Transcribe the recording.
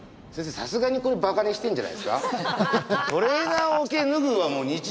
さすがにこれバカにしてるんじゃないですか？